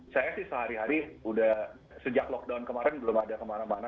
saya sih sehari hari sudah sejak lockdown kemarin belum ada kemana mana